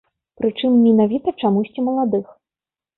Прычым, менавіта чамусьці маладых.